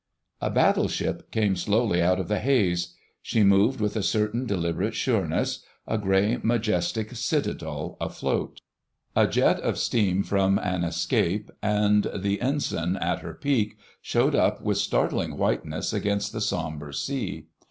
A Battleship came slowly out of the haze. She moved with a certain deliberate sureness, a grey, majestic citadel afloat. A jet of steam from an escape and the Ensign at her peak showed up with startling whiteness against the sombre sea.